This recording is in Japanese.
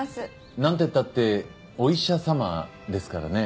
なんてったって「お医者様」ですからね。